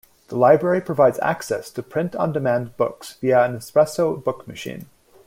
The library provides access to print on demand books via an Espresso Book Machine.